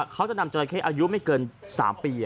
เขาจะนำจราเข้อายุไม่เกิน๓ปี